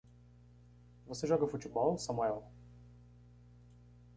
Você joga futebol, Samuel?